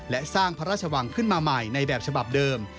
และสร้างพระราชวังขึ้นมาใหม่ในแบบฉบับเดิม